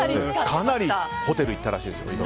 かなりホテル行ったらしいですよ。